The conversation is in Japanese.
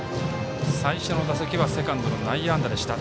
最初の打席はセカンドの内野安打でした。